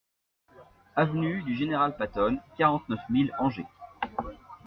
AVENUE DU GENERAL PATTON, quarante-neuf mille Angers